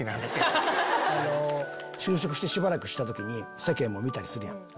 就職してしばらくした時に世間も見たりするやん。